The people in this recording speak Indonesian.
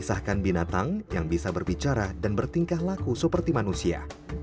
kisahkan binatang yang bisa berbicara dan bertingkah laku seperti manusia